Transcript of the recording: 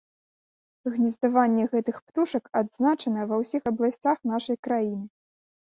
Гнездаванне гэтых птушак адзначана ва ўсіх абласцях нашай краіны.